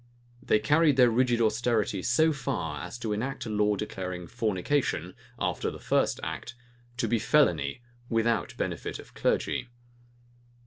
They carried their rigid austerity so far as to enact a law declaring fornication, after the first act, to be felony, without benefit of clergy.